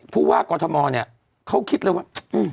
ผู้ว่ากรทมณ์เขาคิดเลยว่า